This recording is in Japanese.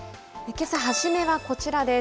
けさはじめはこちらです。